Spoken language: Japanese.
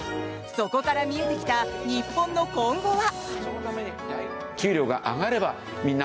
そこから見えてきた日本の今後は？